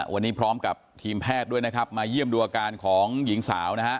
วันนี้พร้อมกับทีมแพทย์ด้วยนะครับมาเยี่ยมดูอาการของหญิงสาวนะฮะ